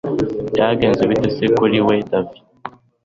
byagenze bite se kuri we davi